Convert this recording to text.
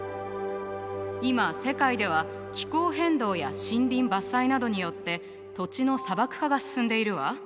今世界では気候変動や森林伐採などによって土地の砂漠化が進んでいるわ。